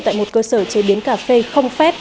tại một cơ sở chế biến cà phê không phép